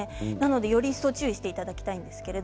より一層注意していただきたいと思います。